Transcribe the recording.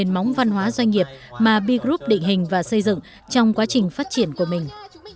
đây là một trong những hoạt động văn hóa doanh nghiệp mà b group định hình và xây dựng trong quá trình phát triển của mình